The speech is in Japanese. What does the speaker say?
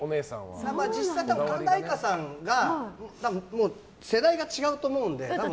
実際、神田愛花さんと時代が違うと思うので。